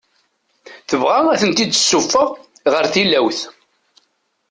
Tebɣa ad ten-id-tessuffeɣ ɣer tilawt.